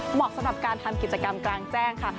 เหมาะสำหรับการทำกิจกรรมกลางแจ้งค่ะ